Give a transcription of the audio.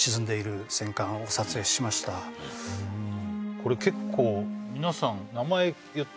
これ結構皆さん